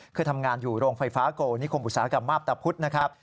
คือทำงานอยู่โรงไฟฟ้าโกนิคมอุตสาหกรรมมาพตะพุทธนะครับ